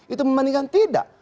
itu membandingkan tidak